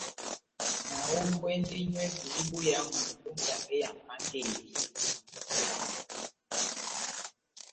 Nahombwɛndi nywɛ bulu boyamu ó ngangɛ ya Mʼpángeyi.